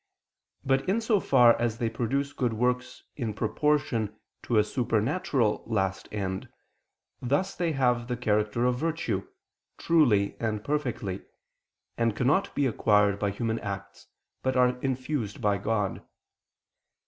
But in so far as they produce good works in proportion to a supernatural last end, thus they have the character of virtue, truly and perfectly; and cannot be acquired by human acts, but are infused by God.